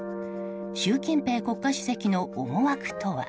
習近平国家主席の思惑とは。